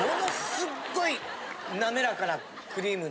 すっごい滑らかなクリーム。